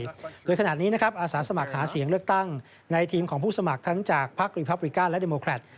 โดยขณะนี้นะครับอาสาสมัครหาเสียงเลือกตั้งในทีมของผู้สมัครทั้งจากพักรีพับริกาและเดโมแครต